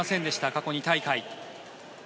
過去２大会。